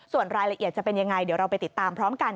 ส่วนรายละเอียดจะเป็นยังไงเดี๋ยวเราไปติดตามพร้อมกัน